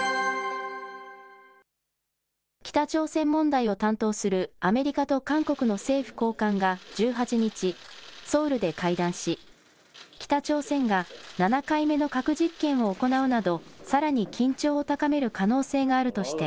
北朝鮮問題を担当するアメリカと韓国の政府高官が１８日、ソウルで会談し、北朝鮮が７回目の核実験を行うなど、さらに緊張を高める可能性があるとして、